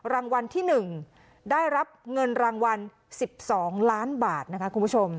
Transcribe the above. รางวัลที่๑ได้รับเงินรางวัล๑๒ล้านบาทนะคะคุณผู้ชม